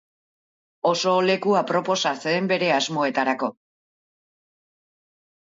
Oso leku aproposa zen bere asmoetarako.